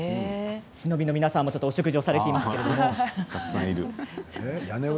忍びの皆さんもお食事をされています。